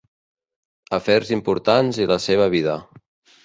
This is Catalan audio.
Afers importants i la seva vida.